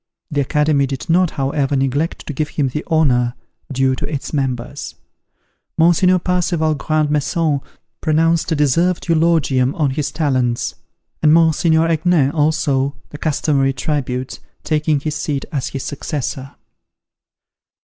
The Academy did not, however, neglect to give him the honour due to its members. Mons. Parseval Grand Maison pronounced a deserved eulogium on his talents, and Mons. Aignan, also, the customary tribute, taking his seat as his successor.